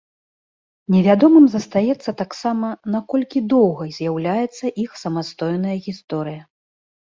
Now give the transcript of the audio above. Невядомым застаецца таксама, наколькі доўгай з'яўляецца іх самастойная гісторыя.